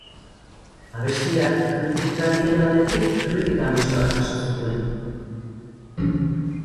Abestiak kritikarien aldetik kritika mistoak jaso zituen.